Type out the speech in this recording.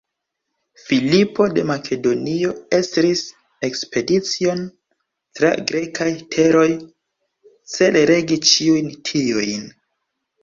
Filipo de Makedonio estris ekspedicion tra grekaj teroj, cele regi ĉiujn tiujn.